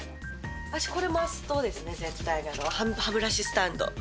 私、これマストですね、絶対に歯ブラシスタンド。